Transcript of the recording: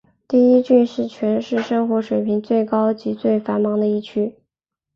第一郡是全市生活水平最高及最繁忙的一区。